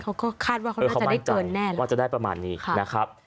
เขาก็คาดว่าเขาน่าจะได้เกินแน่นอนว่าจะได้ประมาณนี้นะครับ